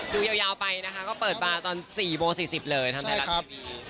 ดูยาวไปนะคะก็เปิดมาตอน๔โมง๔๐เลยทางไทยรัฐทีวี